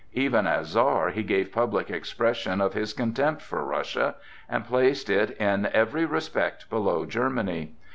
Even as Czar he gave public expression of his contempt for Russia, and placed it in every respect below Germany.